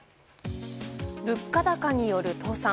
物価高による倒産。